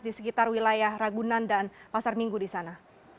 di sekitar wilayah ragunan dan pasar minggu disana